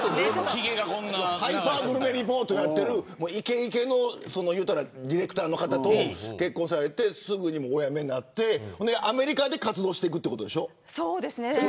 ハイパーグルメリポートをやってるいけいけのディレクターの方と結婚されてすぐにお辞めになってアメリカで活動していくということでしょ。